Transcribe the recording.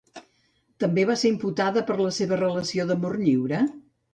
També va ser imputada per la seva relació d'amor lliure?